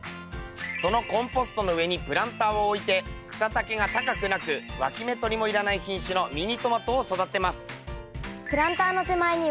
そのコンポストの上にプランターを置いて草丈が高くなくわき芽とりもいらない品種のミニトマトを育てます。